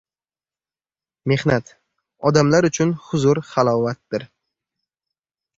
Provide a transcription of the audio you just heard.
Mehnat odamlar uchun huzur-halovatdir.